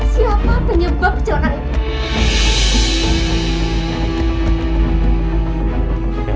siapa penyebab kecelakaan itu